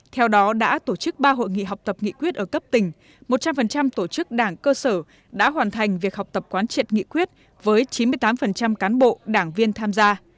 theo đó đã tổ chức ba hội nghị học tập nghị quyết ở cấp tỉnh một trăm linh tổ chức đảng cơ sở đã hoàn thành việc học tập quán triệt nghị quyết với chín mươi tám cán bộ đảng viên tham gia